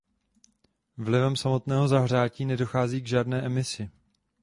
Vlivem samotného zahřátí nedochází k žádné emisi.